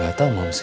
ga tau momsi